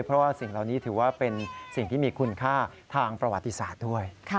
เพราะว่าสิ่งเหล่านี้ถือว่าเป็นสิ่งที่มีคุณค่าทางประวัติศาสตร์ด้วย